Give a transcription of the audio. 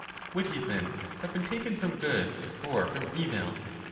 would he then have been taken from good or from evil?